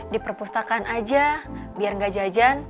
di perpustakaan aja biar gak jajan